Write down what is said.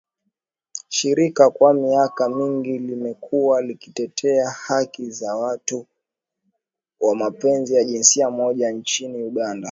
Shirika kwa miaka mingi limekuwa likitetea haki za watu wa mapenzi ya jinsia moja nchini Uganda